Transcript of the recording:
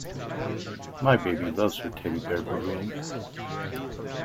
My baby loves her teddy bear balloon.